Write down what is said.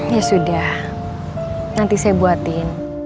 ya sudah nanti saya buatin